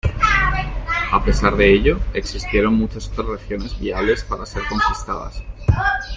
A pesar de ello, existieron muchas otras regiones viables para ser conquistadas.